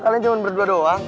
kalian cuma berdua doang